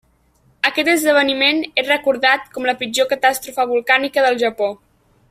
Aquest esdeveniment és recordat com la pitjor catàstrofe volcànica del Japó.